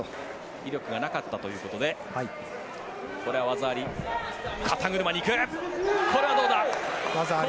威力がなかったということでこれは技あり。